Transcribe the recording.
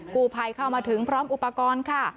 กู้ภัยเข้ามาถึงพร้อมอุปกรณ์ค่ะ